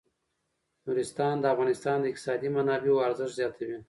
نورستان د افغانستان د اقتصادي منابعو ارزښت زیاتوي.